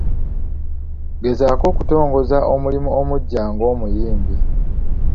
Agezaako okutongoza omulimu omuggya ng'omuyimbi.